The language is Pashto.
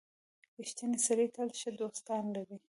• رښتینی سړی تل ښه دوستان لري.